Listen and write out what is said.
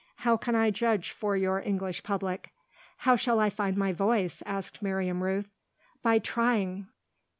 How can I judge for your English public?" "How shall I find my voice?" asked Miriam Rooth. "By trying.